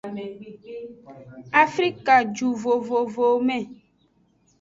Afrikajuvovowome.